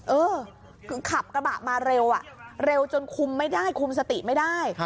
เออคือขับกระบะมาเร็วเร็วจนคุมไม่ได้คุมสติไม่ได้